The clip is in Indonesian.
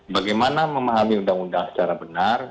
bagaimana memahami undang undang secara benar